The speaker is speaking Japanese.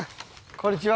こんにちは。